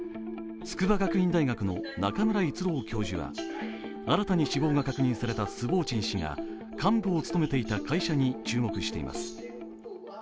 筑波学院大学の中村逸郎教授は新たに死亡が確認されたスボーチン氏が幹部を務めていた会社に注目しています。